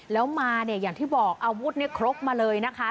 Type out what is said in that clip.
แล้วมาอย่างที่บอกอาวุธเขราะมาเลยนะคะ